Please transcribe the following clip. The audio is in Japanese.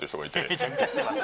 めちゃくちゃ知ってます。